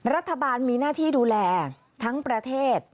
รัฐบาลมีหน้าที่ดูแลทั้งประเทศ